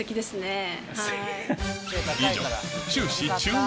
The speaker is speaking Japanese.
以上